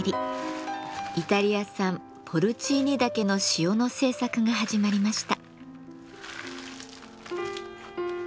イタリア産ポルチーニ茸の塩の製作が始まりました。